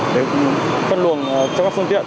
để phân luồng cho các phương tiện